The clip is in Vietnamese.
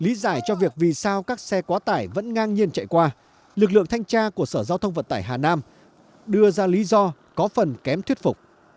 lý giải cho việc vì sao các xe quá tải vẫn ngang nhiên chạy qua lực lượng thanh tra của sở giao thông vận tải hà nam đưa ra lý do có phần kém thuyết phục